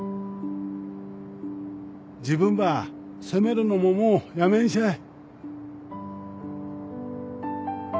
自分ば責めるのももうやめんしゃい。